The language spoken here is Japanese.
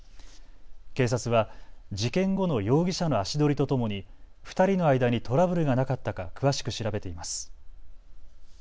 警察は事件後の容疑者の足取りとともに２人の間にトラブルがなかったか詳しく調べています。